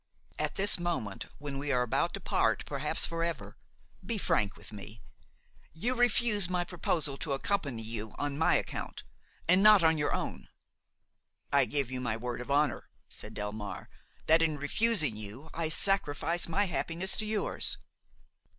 "At this moment, when we are about to part, perhaps forever, be frank with me. You refuse my proposal to accompany you on my account and not on your own?" "I give you my word of honor," said Delmare, "that in refusing you I sacrifice my happiness to yours."